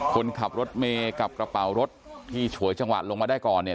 คนขับรถเมย์กับกระเป๋ารถที่ฉวยจังหวะลงมาได้ก่อนเนี่ย